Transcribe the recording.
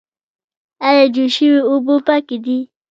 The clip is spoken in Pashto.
ایا جوش شوې اوبه پاکې دي؟